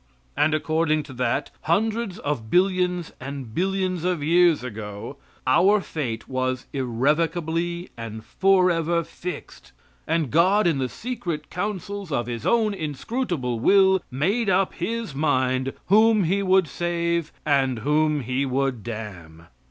And, according to that, hundreds of billions and billions of years ago our fate was irrevocably and forever fixed, and God in the secret counsels of His own inscrutable will, made up His mind whom He would save and whom He would damn.